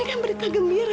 ini kan berita gembira